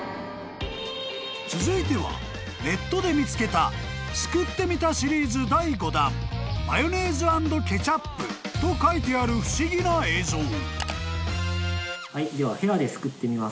［続いてはネットで見つけた「すくってみたシリーズ第５弾マヨネーズ＆ケチャップ」と書いてある不思議な映像］